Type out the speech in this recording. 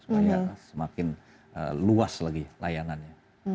supaya semakin luas lagi layanannya